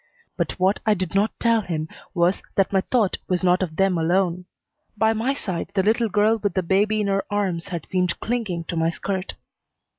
But what I did not tell him was that my thought was not of them alone. By my side the little girl with the baby in her arms had seemed clinging to my skirt.